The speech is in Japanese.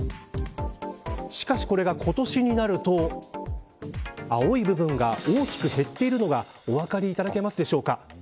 しかし、これが今年になると青い部分が大きく減っているのがお分かりいただけますでしょうか。